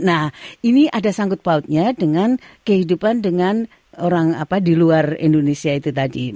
nah ini ada sangkut pautnya dengan kehidupan dengan orang apa di luar indonesia itu tadi